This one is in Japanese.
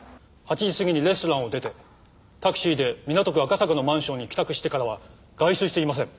８時過ぎにレストランを出てタクシーで港区赤坂のマンションに帰宅してからは外出していません。